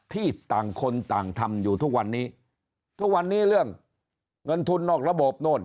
ที่ต่างคนต่างทำอยู่ทุกวันนี้ทุกวันนี้เรื่องเงินทุนนอกระบบโน่น